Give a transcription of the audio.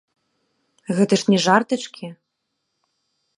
Гэта ж не жартачкі!